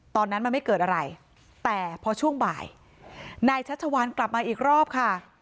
ตอนนั้นมันไม่เกิดอะไรแต่พอช่วงบ่ายนายชัชวานกลับมาอีกรอบค่ะ